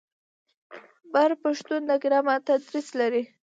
بر پښتون د ګرامر تدریس لري.